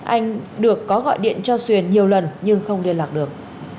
anh được có gọi điện cho xuyền nhiều lần nhưng không liên lạc được